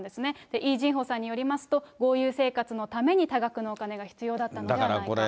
イ・ジンホさんによりますと、豪遊生活のために多額のお金が必要だったのではないかと。